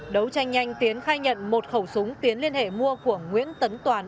đấu tranh nhanh tiến khai nhận một khẩu súng tiến liên hệ mua của nguyễn tấn toàn